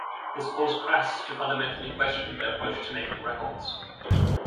This caused Crass to fundamentally question their approach to making records.